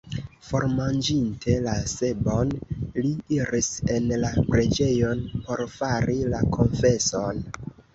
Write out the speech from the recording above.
Formanĝinte la sebon, li iris en la preĝejon, por fari la konfeson.